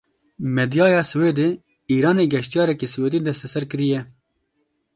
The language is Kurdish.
Medyaya Swedê; Îranê geştyarekî Swêdî desteser kiriye.